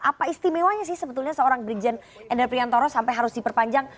apa istimewanya sih sebetulnya seorang brigjen endar priantoro sampai harus diperpanjang